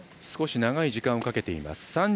少し長い時間をかけています。